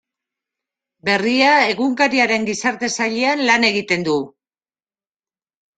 Berria egunkariaren Gizarte sailean lan egiten du.